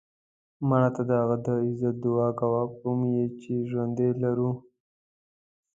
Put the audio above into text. مړه ته د هغه عزت دعا کوو کوم یې چې ژوندی لرلو